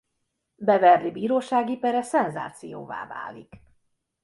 Beverly bírósági pere szenzációvá válik.